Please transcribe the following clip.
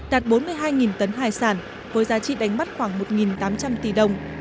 đạt bốn mươi hai tấn hải sản với giá trị đánh bắt khoảng một tám trăm linh tỷ đồng